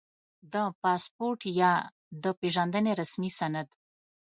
• پاسپورټ یا د پېژندنې رسمي سند